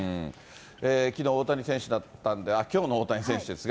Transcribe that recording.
きのう、大谷選手だったんで、きょうの大谷選手ですが。